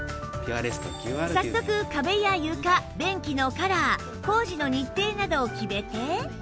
早速壁や床便器のカラー工事の日程などを決めて